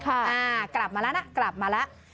อ่ากลับมาแล้วนะกลับมาแล้ว